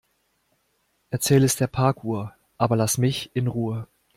Erzähl es der Parkuhr, aber lass mich in Ruhe.